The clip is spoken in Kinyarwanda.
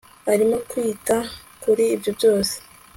Arimo kwita kuri ibyo byose